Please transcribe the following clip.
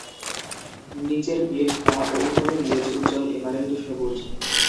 নিচের পিঠ, পা ও উপরের লেজ উজ্জ্বল এমারেল্ড সবুজ।